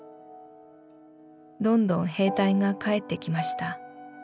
どんどん兵隊が帰って来ました。